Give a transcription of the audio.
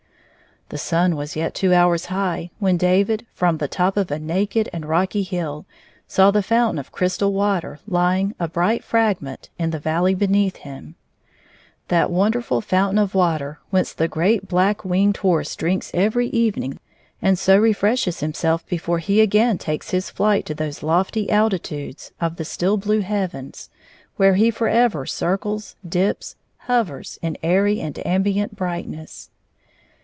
The sun was yet two hours high when David, from the top of a naked and rocky hill, saw the fountain of crystal water lying, a bright fragment,, in the valley beneath him — that wonderfiil foun tain of water whence the great Black Winged Horse drinks every evening, and so refreshes himself before he again takes his flight to those lofty altitudes of the still blue heavens where he forever circles, dips, hovers in airy and ambient brightness.